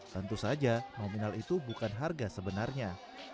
tentu saja nominal itu bukan harga sebenarnya